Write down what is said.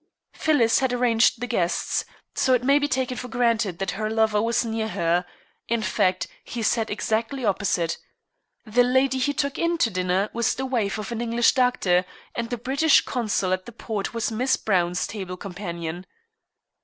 Phyllis had arranged the guests, so it may be taken for granted that her lover was near her in fact, he sat exactly opposite. The lady he took in to dinner was the wife of an English doctor, and the British consul at the port was Miss Browne's table companion.